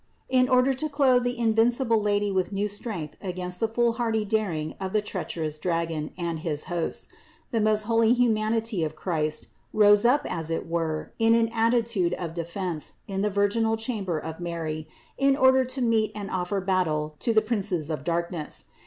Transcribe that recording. In order to clothe the invincible Lady with new strength against the foolhardy daring of the treacherous dragon and his hosts, the most holy humanity of Christ, rose up as it were in an attitude of defense in the virginal chamber of Mary in order to meet and offer battle to the princes of darkness.